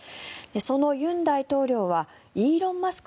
その尹大統領はイーロン・マスク